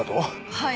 はい。